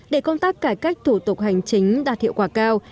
để công tác cải cách thủ tục hành chính đạt hiệu quả cao